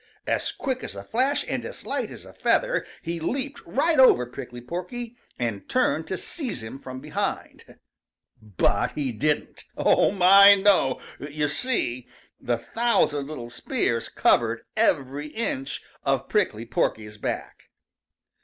As quick as a flash and as light as a feather, he leaped right over Prickly Porky and turned to seize him from behind. But he didn't! Oh, my, no! You see, the thousand little spears covered every inch of Prickly Porky's back.